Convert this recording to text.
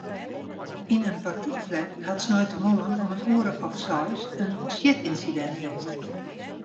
Yn in portykflat hat sneintemoarn om in oere of seis in sjitynsidint west.